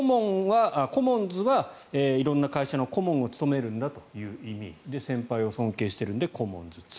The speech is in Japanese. コモンズは色んな会社の顧問を務めるんだという意味で先輩を尊敬しているのでコモンズ２。